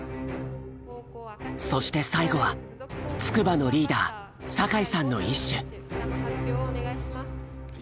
そして最後は筑波のリーダー酒井さんの一首。